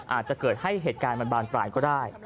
อาจจะเกิดให้เหตุการณ์มันบานปลายก็ได้